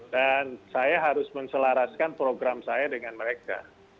dan saya harus menselaraskan program saya dengan mereka